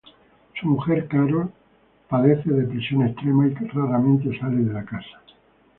Su mujer Carol padece depresión extrema y raramente sale de casa.